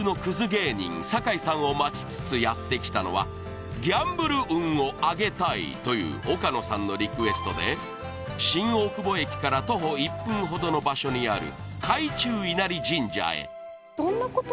芸人酒井さんを待ちつつやって来たのはギャンブル運を上げたいという岡野さんのリクエストで新大久保駅から徒歩１分ほどの場所にある皆中稲荷神社へ